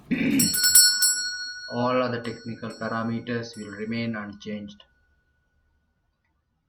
All other technical parameters will remain unchanged.